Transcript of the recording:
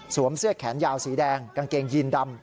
เสื้อแขนยาวสีแดงกางเกงยีนดำ